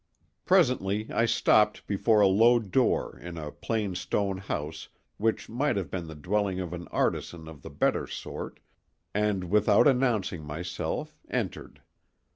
Presently I stopped before a low door in a plain stone house which might have been the dwelling of an artisan of the better sort, and without announcing myself, entered.